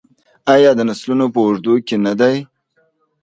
آیا د نسلونو په اوږدو کې نه دی؟